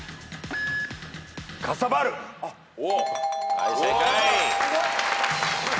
はい正解。